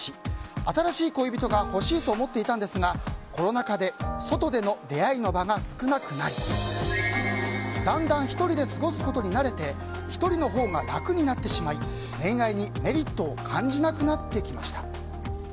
新しい恋人が欲しいと思っていたんですがコロナ禍で外での出会いの場が少なくなりだんだん１人で過ごすことに慣れて１人のほうが楽になってしまい恋愛にメリットを感じなくなってきました。